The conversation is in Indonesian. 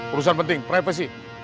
urusan penting privasi